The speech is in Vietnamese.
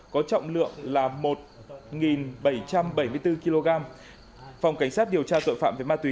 có trọng lượng là một bảy trăm bảy mươi bốn kg phòng cảnh sát điều tra tội phạm về ma túy